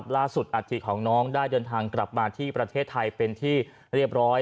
อาธิของน้องได้เดินทางกลับมาที่ประเทศไทยเป็นที่เรียบร้อย